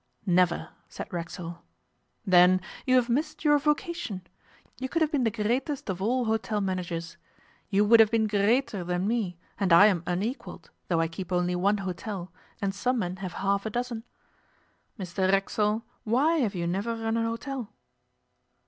'Never,' said Racksole. 'Then you have missed your vocation. You could have been the greatest of all hotel managers. You would have been greater than me, and I am unequalled, though I keep only one hotel, and some men have half a dozen. Mr Racksole, why have you never run an hotel?